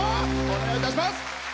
お願いいたします。